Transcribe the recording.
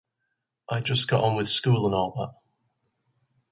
I just got on with school and all that.